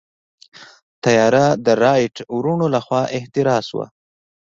طیاره د رائټ وروڼو لخوا اختراع شوه.